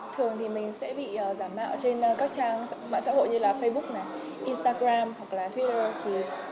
thường thì mình sẽ bị giả mạo trên các trang mạng xã hội như là facebook này instagram hoặc là twitter